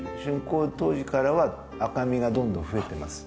竣工当時からは赤みがどんどん増えてます。